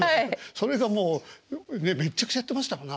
それがもうめっちゃくちゃやってましたもんね